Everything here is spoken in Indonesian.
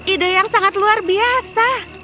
ide yang sangat luar biasa